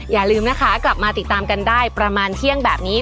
อย่าลืมนะคะกลับมาติดตามกันได้ประมาณเที่ยงแบบนี้